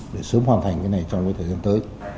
để sớm hoàn thành cái này trong cái thời gian tới